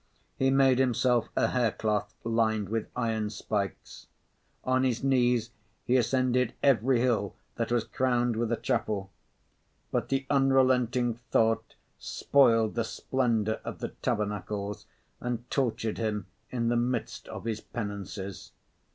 He made himself a hair cloth lined with iron spikes. On his knees, he ascended every hill that was crowned with a chapel. But the unrelenting thought spoiled the splendour of the tabernacles and tortured him in the midst of his penances.